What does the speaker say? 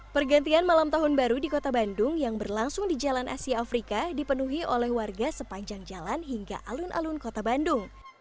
pergantian malam tahun baru di kota bandung yang berlangsung di jalan asia afrika dipenuhi oleh warga sepanjang jalan hingga alun alun kota bandung